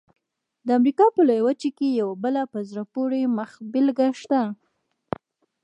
د امریکا په لویه وچه کې یوه بله په زړه پورې مخبېلګه شته.